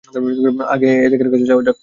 আগে অ্যাজাকের কাছে যাওয়া যাক।